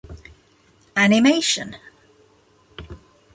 Animation.